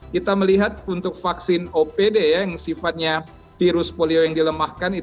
kita melihat untuk vaksin opd yang sifatnya virus polio yang dilemahkan